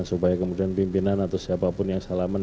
supaya kemudian pimpinan atau siapapun yang salaman